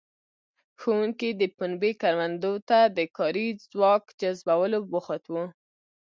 ښوونکي د پنبې کروندو ته د کاري ځواک جذبولو بوخت وو.